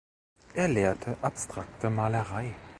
Er lehrte abstrakte Malerei.